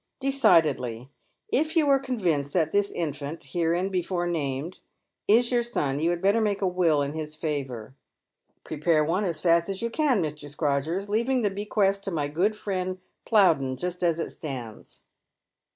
"Decidedly. If j'ou are convinced that this infant — hereinbefore named — is your son, you had better make a will in his favour." " Prepare one as fast as you can, Mr, Scrodgers, leaving the bequest to my good friend Plowden just as it stands."